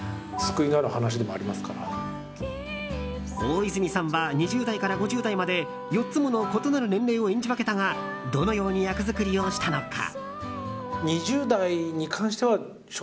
大泉さんは２０代から５０代まで４つもの異なる年齢を演じ分けたがどのように役作りをしたのか？